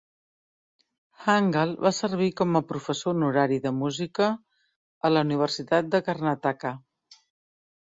Hangal va servir com a professor honorari de música a la Universitat de Karnataka.